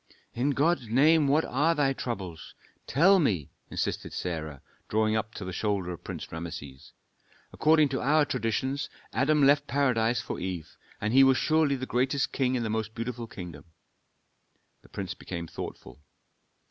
"In God's name, what are thy troubles? Tell me," insisted Sarah, drawing up to the shoulder of Prince Rameses. "According to our traditions, Adam left Paradise for Eve; and he was surely the greatest king in the most beautiful kingdom." The prince became thoughtful.